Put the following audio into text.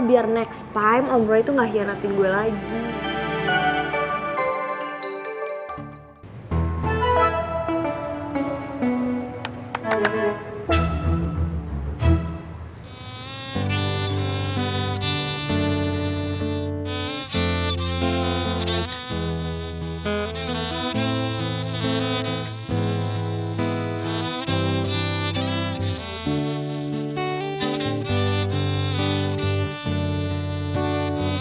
biar next time om roy tidak mengkhianati saya lagi